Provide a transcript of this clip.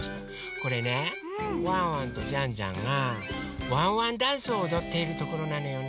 これねワンワンとジャンジャンがワンワンダンスをおどっているところなのよね。